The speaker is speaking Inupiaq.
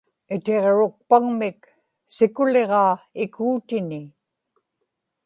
itiġrukpaŋmik sikuliġaa ikuutini